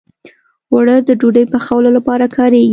اوړه د ډوډۍ پخولو لپاره کارېږي